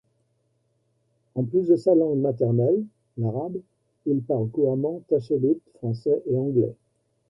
En plus de sa langue maternelle, l’arabe, il parle couramment tachelhit, français et anglais.